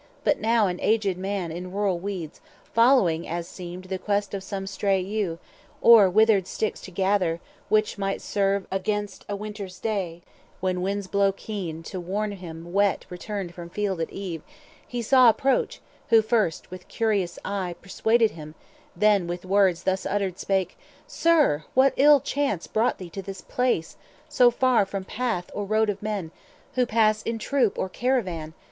But now an aged man in rural weeds, Following, as seemed, the quest of some stray eye, Or withered sticks to gather, which might serve Against a winter's day, when winds blow keen, To warm him wet returned from field at eve, He saw approach; who first with curious eye Perused him, then with words thus uttered spake:— 320 "Sir, what ill chance hath brought thee to this place, So far from path or road of men, who pass In troop or caravan?